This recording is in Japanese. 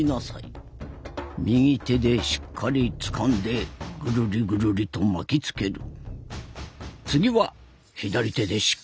次は左手でしっかりつかんでぐるりぐるりと巻きつける。